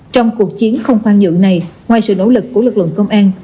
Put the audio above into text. trong cuộc chiến không khoan nhượng này ngoài sự nỗ lực của lực lượng công an